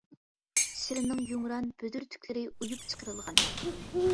شىرنىڭ يۇمران، بۈدۈر تۈكلىرى ئۇيۇپ چىقىرىلغان.